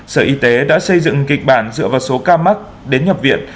sở y tế đã xây dựng kịch bản dựa vào số ca mắc đến nhập viện